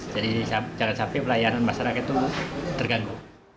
jadi jangan sampai pelayanan masyarakat itu terganggu